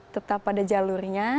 tetap ada jalurnya